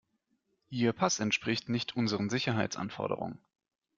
Ihr Pass entspricht nicht unseren Sicherheitsanforderungen.